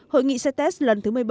hội nghị setes lần thứ một mươi bảy